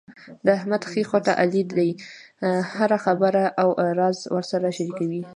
د احمد ښۍ خوټه علي دی، هره خبره او راز ورسره شریکوي.